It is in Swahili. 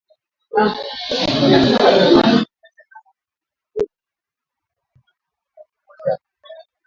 Turi lakana tupatane busubuyi njuya kwenda ku mashamba